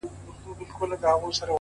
o مـــــه كـــــوه او مـــه اشـــنـــا ـ